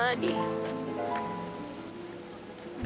gak ada yang perlu kita omongin lagi kok